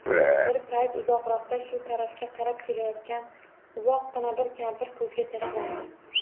Bir payt uzoqroqda shu tarafga qarab kelayotgan uvoqqina bir kampir koʻzga tashlandi